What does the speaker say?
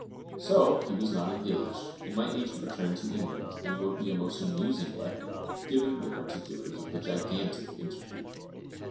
So he was not engaged, and my agent returned to England and wrote me a most amusing letter, giving the particulars of the gigantic interview.